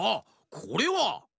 これは。